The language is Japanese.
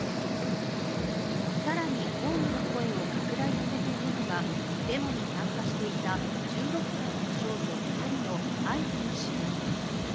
更に抗議の声を拡大させているのがデモに参加していた１６歳の少女２人の相次ぐ死亡です。